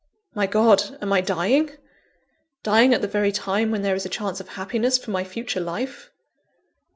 My God! am I dying? dying at the very time when there is a chance of happiness for my future life?